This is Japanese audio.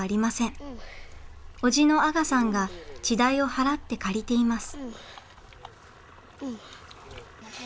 叔父のアガさんが地代を払って借りています。